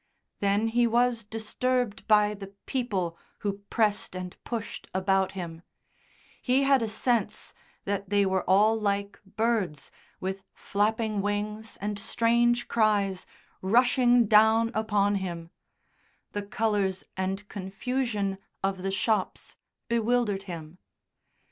Then he was disturbed by the people who pressed and pushed about him he had a sense that they were all like birds with flapping wings and strange cries, rushing down upon him the colours and confusion of the shops bewildered him.